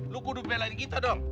lo kudu belain kita dong